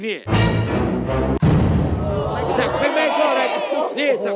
ที่ศักดิ์แม่ชอบอะไร